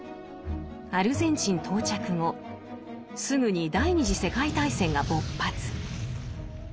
アルゼンチン到着後すぐに第二次世界大戦が勃発。